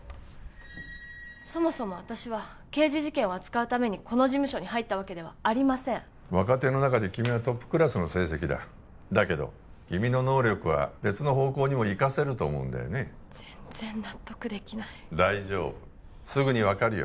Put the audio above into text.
そもそも私は刑事事件を扱うためにこの事務所に入ったわけではありません若手の中で君はトップクラスの成績だだけど君の能力は別の方向にも生かせると思うんだよね全然納得できない大丈夫すぐに分かるよ